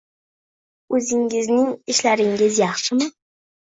O'zingizning ishlaringiz yaxshimi?